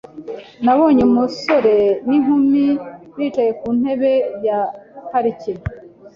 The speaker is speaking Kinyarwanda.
Nabonye umusore n'inkumi bicaye ku ntebe ya parike.